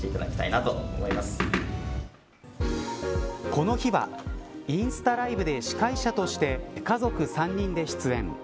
この日はインスタライブで司会者として家族３人で出演。